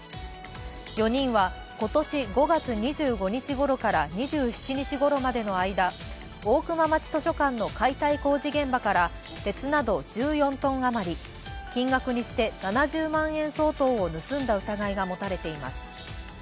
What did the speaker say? ４人は今年５月２５日ごろから２７日ごろまでの間、大熊町図書館の解体工事現場から鉄など１４ｔ余り、金額にして７０万円相当を盗んだ疑いが持たれています。